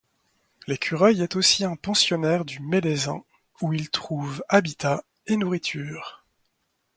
L’écureuil est aussi un pensionnaire du mélézin, où il trouve habitat et nourriture.